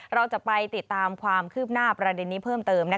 เราจะไปติดตามความคืบหน้าประเด็นนี้เพิ่มเติม